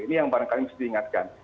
ini yang barangkali harus diingatkan